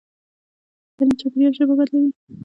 تعلیم چاپېریال ژبه بدلوي.